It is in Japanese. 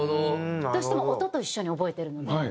どうしても音と一緒に覚えてるので。